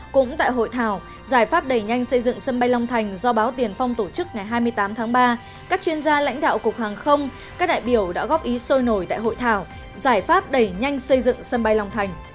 cũng tại hội thảo giải pháp đẩy nhanh xây dựng sân bay long thành do báo tiền phong tổ chức ngày hai mươi tám tháng ba các chuyên gia lãnh đạo cục hàng không các đại biểu đã góp ý sôi nổi tại hội thảo giải pháp đẩy nhanh xây dựng sân bay long thành